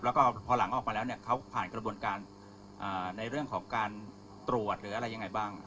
แล้วก็พอหลังออกมาแล้วเนี่ยเขาผ่านกระบวนการในเรื่องของการตรวจหรืออะไรยังไงบ้าง